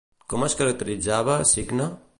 Com es caracteritzava Cicne?